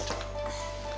masih diangkat aja